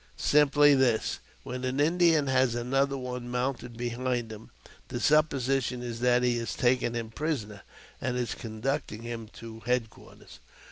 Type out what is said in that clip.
Simply this: when an Indian has another one mounted behind him, the supposition is that he has taken him prisoner, and is conducting him to head quarters.